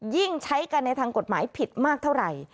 ยิ่งใช้กันในทางกฎหมายผิดมากเท่าไหร่